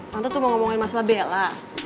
tante tuh mau ngomongin masalah bela